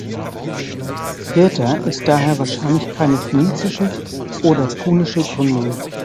Cirta ist daher wahrscheinlich keine phönizische oder punische Gründung.